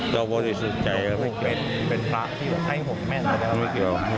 ชบดีชบดี